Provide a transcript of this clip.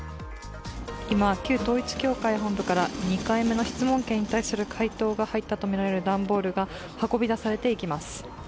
今、旧統一教会本部から２回目の質問権に対する回答が入ったとみられる段ボールが運び出されています。